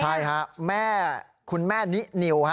ใช่ค่ะคุณแม่นินิว